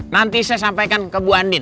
nanti saya sampaikan ke bu andin